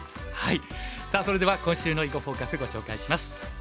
さあそれでは今週の「囲碁フォーカス」ご紹介します。